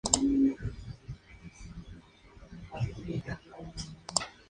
Estudió arquitectura en Múnich y en Berlín.